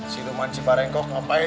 si rumaci parengkok ngapain kamu kesini